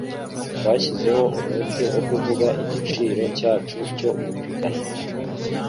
Twashyizeho umwete wo kuvuga igiciro cyacu cyo gupiganwa.